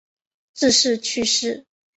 致仕去世。